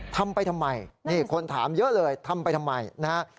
ทำไปทำไมนี่คนถามเยอะเลยทำไปทำไมนะฮะ